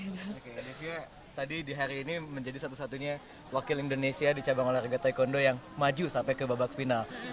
oke devia tadi di hari ini menjadi satu satunya wakil indonesia di cabang olahraga taekwondo yang maju sampai ke babak final